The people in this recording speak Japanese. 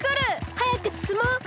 はやくすすもう！